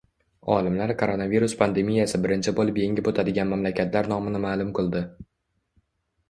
Olimlar koronavirus pandemiyasi birinchi bo‘lib yengib o‘tadigan mamlakatlar nomini ma’lum qildi